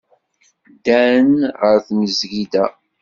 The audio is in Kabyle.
Ddan ɣer tmesgida.